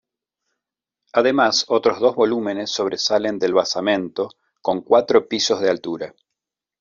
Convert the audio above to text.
Además, otros dos volúmenes sobresalen del basamento, con cuatro pisos de altura.